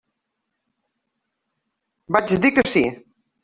Vaig dir que sí.